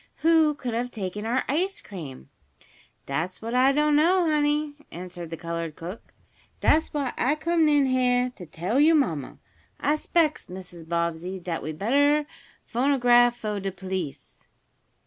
"Who could have taken our ice cream?" "Dat's what I don't know, honey," answered the colored cook. "Dat's why I comed in heah to tell yo' mamma. I 'spects, Mrs. Bobbsey, dat we'd better phonograph fo' de police."